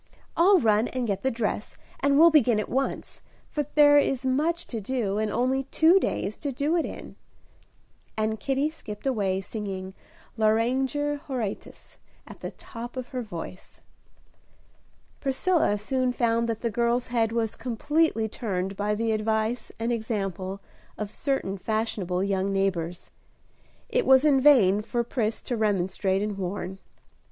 I'll run and get the dress, and we'll begin at once, for there is much to do, and only two days to do it in." And Kitty skipped away, singing "Lauriger Horatius," at the top of her voice. Priscilla soon found that the girl's head was completely turned by the advice and example of certain fashionable young neighbors. It was in vain for Pris to remonstrate and warn.